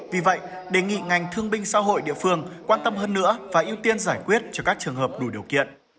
vì vậy đề nghị ngành thương binh xã hội địa phương quan tâm hơn nữa và ưu tiên giải quyết cho các trường hợp đủ điều kiện